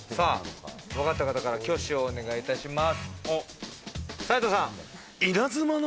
わかった方から挙手をお願いします。